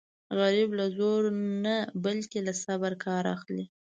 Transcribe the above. غریب له زوره نه بلکې له صبره کار اخلي